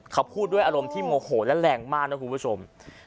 เขาพูดด้วยอารมณ์ที่โมโหและแรงมากนะคุณผู้ชม